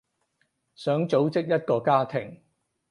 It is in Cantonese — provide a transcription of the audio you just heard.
想組織一個家庭